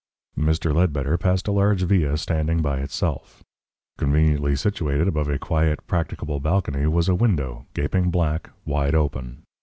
Mr. Ledbetter passed a large villa standing by itself. Conveniently situated above a quiet, practicable balcony was a window, gaping black, wide open.